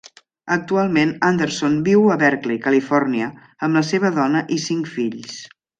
Actualment Anderson viu a Berkeley, Califòrnia, amb la seva dona i cinc fills.